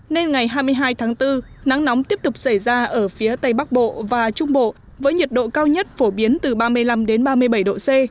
nên ngày hai mươi hai tháng bốn nắng nóng tiếp tục xảy ra ở phía tây bắc bộ và trung bộ với nhiệt độ cao nhất phổ biến từ ba mươi năm ba mươi bảy độ c